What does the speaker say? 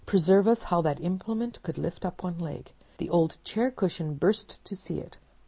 Preserve us! how that implement could lift up one leg! The old chair cushion burst to see it.